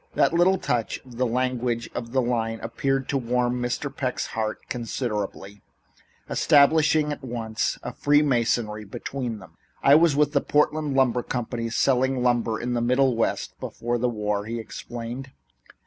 That little touch of the language of the line appeared to warm Mr. Peck's heart considerably, establishing at once a free masonry between them. "I was with the Portland Lumber Company, selling lumber in the Middle West before the war," he explained.